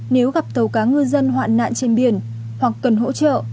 nếu gặp tàu cá ngư dân hoạn nạn trên biển hoặc cần hỗ trợ